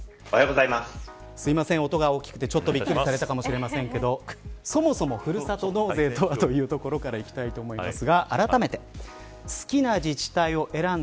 すいません、音が大きくてびっくりされたかもしれませんがそもそもふるさと納税とはというところからいきたいと思います。